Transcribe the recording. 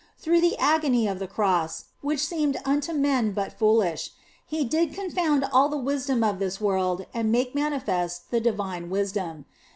Through the agony of the Cross (which unto men seemed but foolish), He did confound all the wisdom of this world and make manifest the divine wisdom.